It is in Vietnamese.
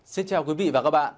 xin chào quý vị và các bạn